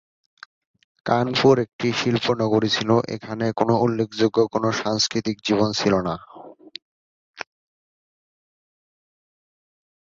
কানপুর একটি শিল্প নগরী ছিল, এখানে কোন উল্লেখযোগ্য কোন সাংস্কৃতিক জীবন ছিলনা।